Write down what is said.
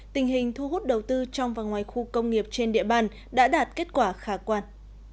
tình hình thu hút đầu tư trong và ngoài khu công nghiệp trên địa bàn đã đạt kết quả khả quan